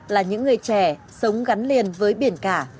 là những người trẻ sống gắn liền với biển cả